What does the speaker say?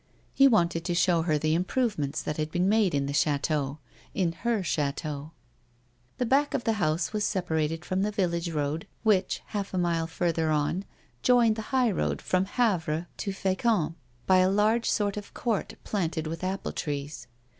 He wanted to show her the improvements that had been made in the chateau ; in her chateau. The back of the house was separated from the village road, which half a mile further on joined the high road from Havre to Fecamp, by a large sort of court planted with apple trees.